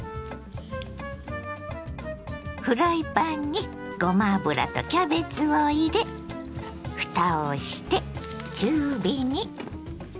フライパンにごま油とキャベツを入れふたをして中火に。